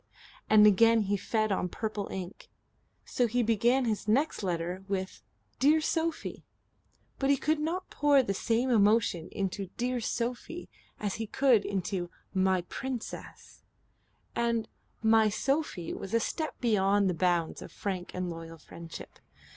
And again he fed on purple ink. So he began his next letter with "Dear Sophie." But he could not pour the same emotion into "Dear Sophie" as he could into "My Princess" and "My Sophie" was a step beyond the bounds of frank and loyal friendship.